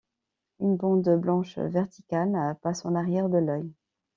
Une bande blanche verticale passe en arrière de l’œil.